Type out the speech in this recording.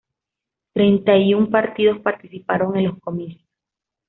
Treinta y un partidos participaron en los comicios.